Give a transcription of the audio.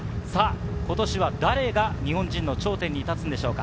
今年は誰が日本人の頂点に立つのでしょうか。